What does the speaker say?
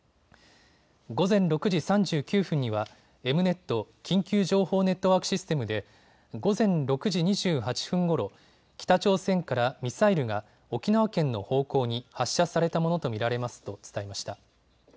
午前６時３９分にはエムネット・緊急情報ネットワークシステムで午前６時２８分ごろ、北朝鮮からミサイルが沖縄県の方向に発射されたものと見られますと伝えました。